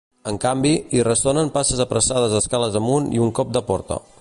En canvi, hi ressonen passes apressades escales amunt i un cop de porta.